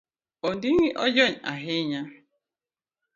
Ondingi ojony ahinya?